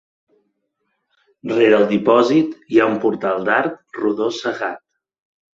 Rere el dipòsit, hi ha un portal d'arc rodó cegat.